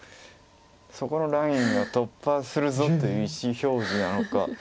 そこのラインは突破するぞという意思表示なのか。